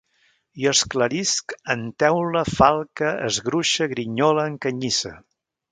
Jo esclarisc, enteule, falque, esgruixe, grinyole, encanyisse